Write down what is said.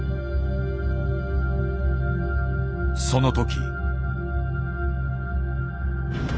その時。